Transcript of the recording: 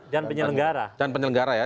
dan penyelenggara dan penyelenggara ya